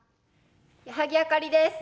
矢作あかりです。